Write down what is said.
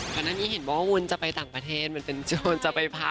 คันนี้เห็นบอกว่าวุ้นจะไปต่างประเทศเหมือนเป็นโชนจะไปพัก